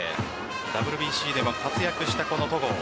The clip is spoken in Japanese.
ＷＢＣでも活躍した、この戸郷。